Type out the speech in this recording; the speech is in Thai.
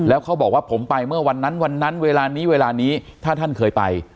แล้วเขาบอกว่าผมไปเมื่อวันนั้นวันนั้นเวลานี้เวลานี้ถ้าท่านเคยไป